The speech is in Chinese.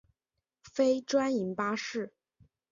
非专营巴士。